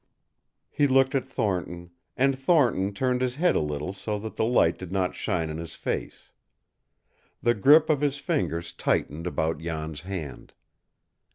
He looked at Thornton, and Thornton turned his head a little so that the light did not shine in his face. The grip of his fingers tightened about Jan's hand.